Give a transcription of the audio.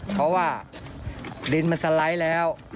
เพราะว่าดินมันสไลด์แล้ว